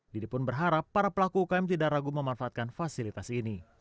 didi pun berharap para pelaku ukm tidak ragu memanfaatkan fasilitas ini